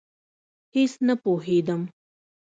هېڅ نه پوهېدم.